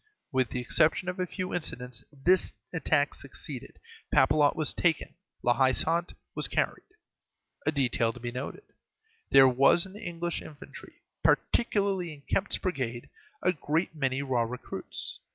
With the exception of a few incidents this attack succeeded. Papelotte was taken; La Haie Sainte was carried. A detail to be noted. There was in the English infantry, particularly in Kempt's brigade, a great many raw recruits.